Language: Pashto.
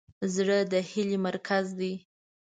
زړه د هیلې مرکز دی.